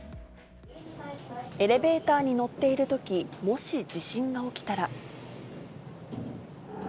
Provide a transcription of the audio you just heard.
エレベーターに乗っているとき、もし、地震が起きたら。